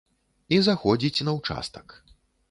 І заходзіць на участак.